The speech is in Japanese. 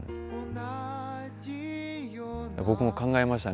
僕も考えましたね